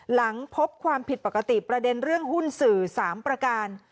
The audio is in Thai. หลังพบความผิดปกติประเด็นเรื่องหุ้นสื่อ๓ประการ